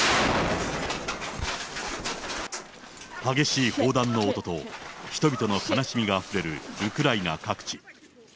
激しい砲弾の音と、人々の悲しみがあふれるウクライナ各地。